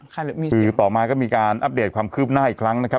คือต่อมาก็มีการอัปเดตความคืบหน้าอีกครั้งนะครับ